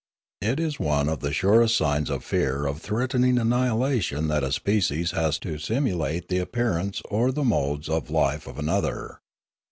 It is one of the surest signs of fear of threatening annihilation that a species has to simulate the appearance or the modes of life of another.